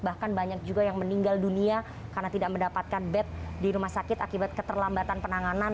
bahkan banyak juga yang meninggal dunia karena tidak mendapatkan bed di rumah sakit akibat keterlambatan penanganan